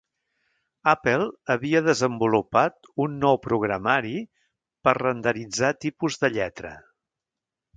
Apple havia desenvolupat un nou programari per renderitzar tipus de lletra.